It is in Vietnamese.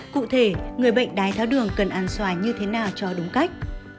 cụ thể người bệnh đái tháo đường cần ăn xoài như thế nào cho đúng cách